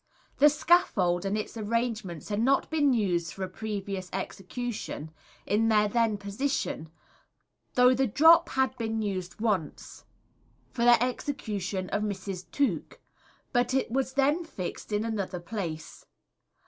The scaffold and its arrangements had not been used for a previous execution, in their then position, though the drop had been used once, for the execution of Mrs. Took, but it was then fixed in another place.